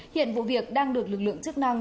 hiện vụ việc đang được lực lượng chức năng